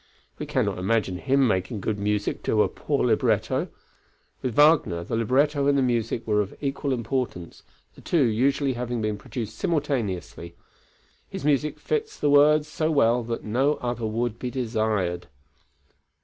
We cannot imagine him making good music to a poor libretto, with Wagner the libretto and the music were of equal importance, the two usually having been produced simultaneously; his music fits the words so well that no other would be desired.